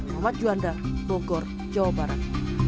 muhammad juanda bogor jawa barat